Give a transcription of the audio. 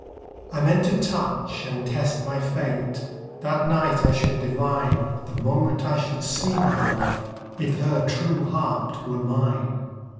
I meant to touch and test my fate; That night I should divine, The moment I should see my love, If her true heart were mine.